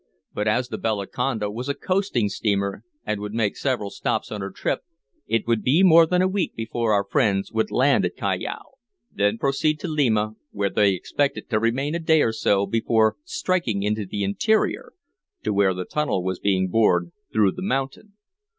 But as the Bellaconda was a coasting steamer, and would make several stops on her trip, it would be more than a week before our friends would land at Callao, then to proceed to Lima, where they expected to remain a day or so before striking into the interior to where the tunnel was being bored through the mountain.